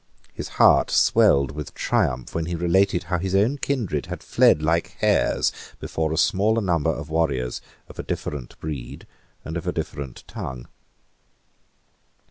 His heart swelled with triumph when he related how his own kindred had fled like hares before a smaller number of warriors of a different breed and of a different tongue.